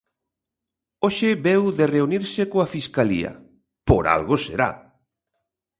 Hoxe veu de reunirse coa Fiscalía, ¡por algo será!